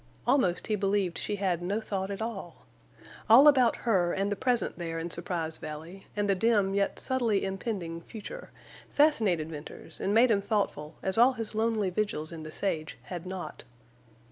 Almost he believed she had no thought at all. All about her and the present there in Surprise Valley, and the dim yet subtly impending future, fascinated Venters and made him thoughtful as all his lonely vigils in the sage had not.